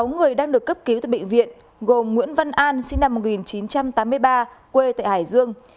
sáu người đang được cấp cứu tại bệnh viện gồm nguyễn văn an sinh năm một nghìn chín trăm tám mươi ba quê tại hải dương